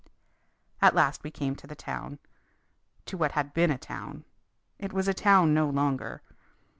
At last we came to the town to what had been a town. It was a town no longer.